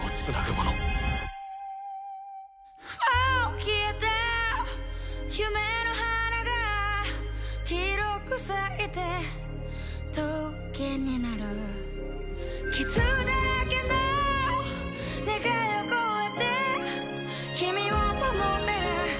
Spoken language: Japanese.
もう消えた夢の花が黄色く咲いて棘になる傷だらけの願いを超えて君を守れる？